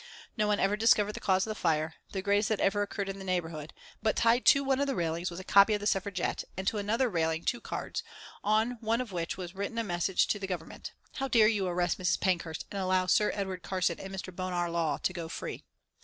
No one ever discovered the cause of the fire, the greatest that ever occurred in the neighbourhood, but tied to one of the railings was a copy of the Suffragette and to another railing two cards, on one of which was written a message to the Government: "How dare you arrest Mrs. Pankhurst and allow Sir Edward Carson and Mr. Bonar Law to go free?"